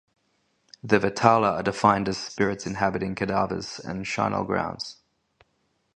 The vetala are defined as spirits inhabiting cadavers and charnel grounds.